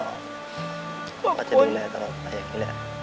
ก็จะดูแลตลอดตัวเองอย่างนี้แหละ